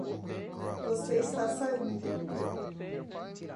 Você está saindo